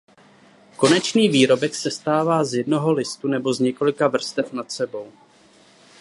Konečný výrobek sestává z jednoho listu nebo z několika vrstev nad sebou.